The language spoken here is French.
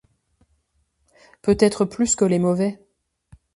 peut-être plus que les mauvais.